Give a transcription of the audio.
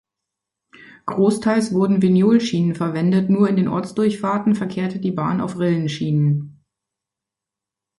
Grossteils wurden Vignolschienen verwendet, nur in den Ortsdurchfahrten verkehrte die Bahn auf Rillenschienen.